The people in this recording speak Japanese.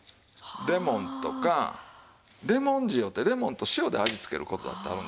レモンとかレモン塩ってレモンと塩で味つける事だってあるんですよ。